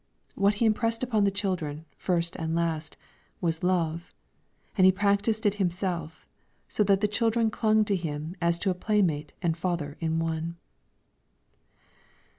What he impressed upon the children, first and last, was love, and he practiced it himself, so that the children clung to him as to a playmate and father in one.